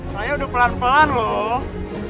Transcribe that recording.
saya udah pelan pelan loh